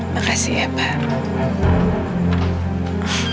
makasih ya pak